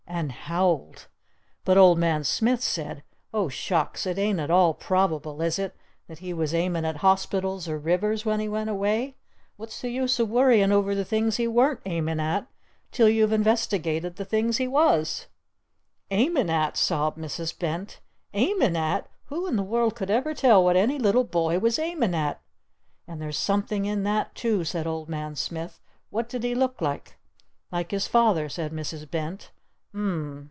And howled! But Old Man Smith said, "Oh Shucks! It ain't at all probable, is it, that he was aimin' at hospitals or rivers when he went away? What's the use of worryin' over the things he weren't aimin' at till you've investigated the things he was?" "Aimin' at?" sobbed Mrs. Bent. "Aimin' at? Who in the world could ever tell what any little boy was aimin' at?" "And there's something in that, too!" said Old Man Smith. "What did he look like?" "Like his father," said Mrs. Bent. "U m m.